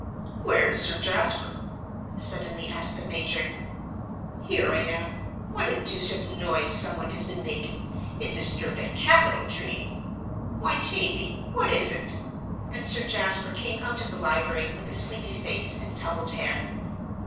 "Where is Sir Jasper?" suddenly asked the major. "Here I am. What a deuce of a noise someone has been making. It disturbed a capital dream. Why, Tavie, what is it?" And Sir Jasper came out of the library with a sleepy face and tumbled hair.